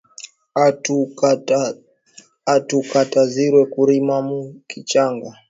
Atu kataziwe ku rima mu kichanga